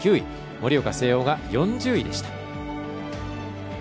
盛岡誠桜が４０位でした。